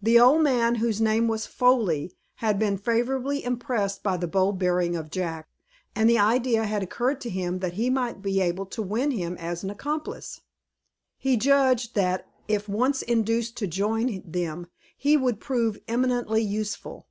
The old man, whose name was Foley, had been favorably impressed by the bold bearing of Jack, and the idea had occurred to him that he might be able to win him as an accomplice. He judged, that if once induced to join them, he would prove eminently useful.